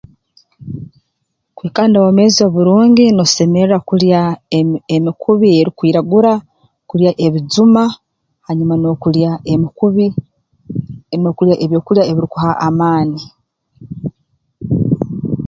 Kwikara n'obwomeezi oburungi noosemerra kulya emi emikubi eyeerukwiragura kulya ebijuma hanyuma n'okulya emikubi oine kulya ebyokulya ebirukuha amaani